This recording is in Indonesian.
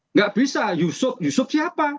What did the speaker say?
nggak bisa yusuf yusuf siapa